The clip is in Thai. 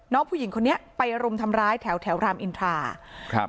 น้องผู้หญิงคนนี้ไปรุมทำร้ายแถวแถวรามอินทราครับ